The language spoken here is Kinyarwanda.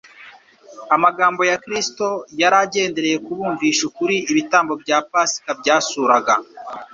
Amagambo ya Kristo yari agendereye kubumvisha ukuri ibitambo bya Pasika byasuraga.